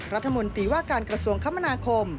รัฐมนตรีว่าการกระทรวงคมนาคม